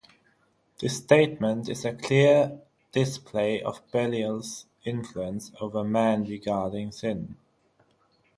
This statement is a clear display of Belial's influence over man regarding sin.